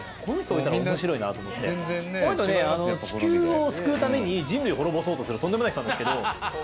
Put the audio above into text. この人ね地球を救うために人類を滅ぼそうとするとんでもない人なんですけど。